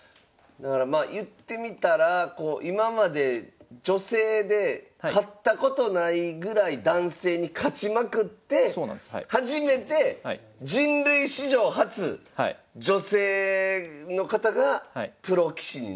だからまあ言ってみたら今まで女性で勝ったことないぐらい男性に勝ちまくって初めて人類史上初女性の方がプロ棋士になる戦いに挑むという。